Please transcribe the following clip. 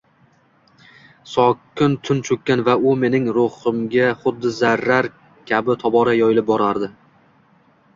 sokin tun choʻkkan va u mening ruhimga xuddi zahar kabi tobora yoyilib borardi